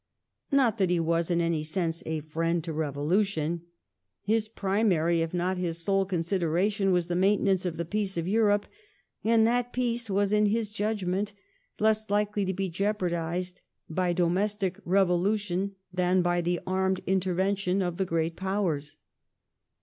Not that he was in any sense a friend to revolution. His primary, if not his sole, consideration was the maintenance of the peace of Europe, and that peace was, in his judgment, less likely to be jeopardized by domestic revolution than by the armed intervention of the Great Powers.